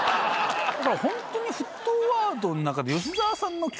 ホントに『沸騰ワード』の中で吉沢さんの。俺。